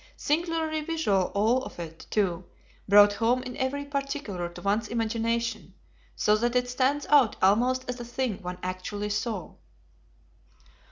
Singularly visual all of it, too, brought home in every particular to one's imagination, so that it stands out almost as a thing one actually saw.